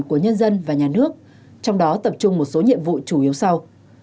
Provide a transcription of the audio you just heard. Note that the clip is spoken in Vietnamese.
của nhân dân và nhà nước trong đó tập trung một số nhiệm vụ chủ yếu sau